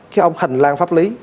cái ông hành lang pháp lý